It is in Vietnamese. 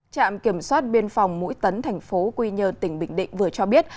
trạm kiểm soát biên phòng mũi tấn thành phố quy nhơn tỉnh bình định vừa cho biết